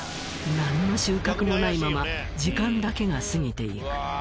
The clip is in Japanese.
何の収穫もないまま時間だけが過ぎていく。